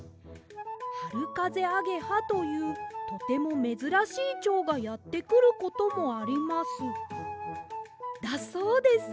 『はるかぜアゲハ』というとてもめずらしいチョウがやってくることもあります」だそうです。